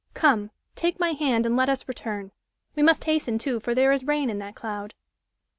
Come! take my hand and let us return. We must hasten, too, for there is rain in that cloud."